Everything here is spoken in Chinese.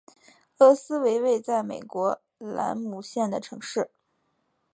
厄斯为位在美国兰姆县的城市。